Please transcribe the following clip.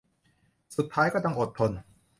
สุดท้ายก็ต้องอดทน